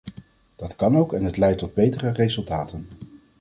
Dat kan ook en het leidt tot betere resultaten.